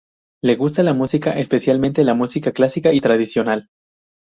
Le gusta la música; especialmente la música clásica y tradicional.